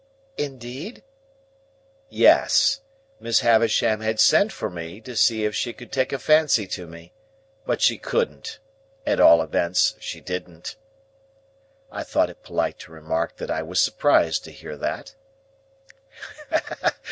"Indeed?" "Yes. Miss Havisham had sent for me, to see if she could take a fancy to me. But she couldn't,—at all events, she didn't." I thought it polite to remark that I was surprised to hear that.